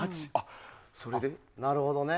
なるほどね。